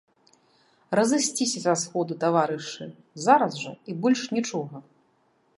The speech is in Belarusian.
Разысціся са сходу, таварышы, зараз жа, і больш нічога!